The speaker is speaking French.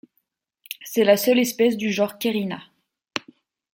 C'est la seule espèce du genre Cairina.